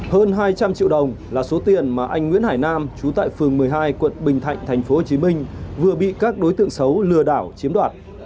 hơn hai trăm linh triệu đồng là số tiền mà anh nguyễn hải nam trú tại phường một mươi hai quận bình thạnh tp hcm vừa bị các đối tượng xấu lừa đảo chiếm đoạt